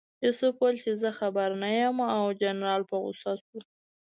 یوسف وویل چې زه خبر نه یم او جنرال په غوسه شو.